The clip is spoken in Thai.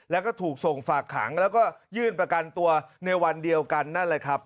แล้วก็ถูกส่งฝากขังแล้วก็ยื่นประกันตัวในวันเดียวกันนั่นแหละครับ